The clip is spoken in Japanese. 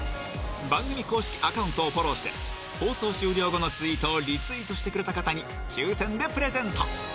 番組公式アカウントをフォローして放送終了後のツイートをリツイートしてくれた方に抽選でプレゼント